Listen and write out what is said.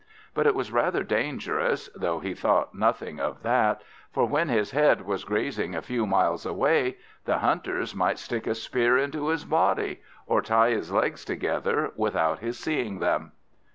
But it was rather dangerous, though he thought nothing of that; for when his head was grazing a few miles away, the hunters might stick a spear into his body, or tie his legs together, without his seeing them.